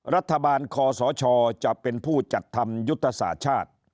รัฐบาลคอสชจะเป็นผู้จัดทำยุทธศาสตร์ชาติ